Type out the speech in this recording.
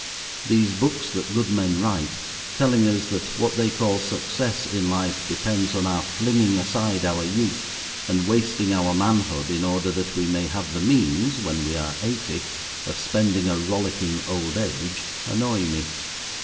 These books that good men write, telling us that what they call "success" in life depends on our flinging aside our youth and wasting our manhood in order that we may have the means when we are eighty of spending a rollicking old age, annoy me.